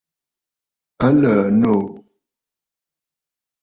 A lə̀ə̀ noò.